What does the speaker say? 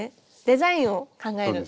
デザインを考える。